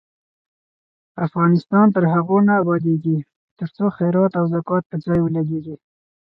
افغانستان تر هغو نه ابادیږي، ترڅو خیرات او زکات په ځای ولګیږي.